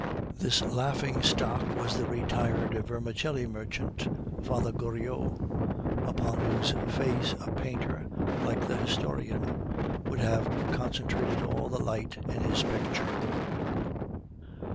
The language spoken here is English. This laughing stock was the retired vermicelli merchant, Father Goriot, upon whose face a painter, like the historian, would have concentrated all the light in his picture.